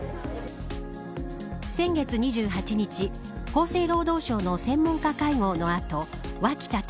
先月２８日厚生労働省の専門家会合の後脇田隆